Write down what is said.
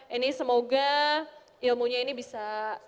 ini semoga ilmunya ini bisa